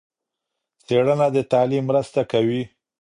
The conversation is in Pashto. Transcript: څېړنه د تعليم مرسته کوي.